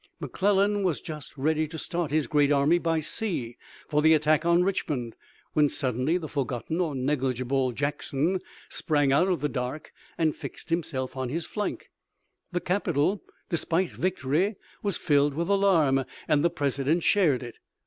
McClellan was just ready to start his great army by sea for the attack on Richmond, when suddenly the forgotten or negligible Jackson sprang out of the dark and fixed himself on his flank. The capital, despite victory, was filled with alarm and the President shared it.